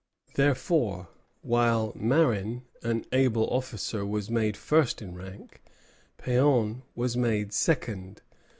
Therefore while Marin, an able officer, was made first in rank, Péan was made second.